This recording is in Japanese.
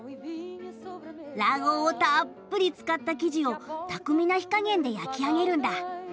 卵黄をたっぷり使った生地を巧みな火加減で焼き上げるんだ。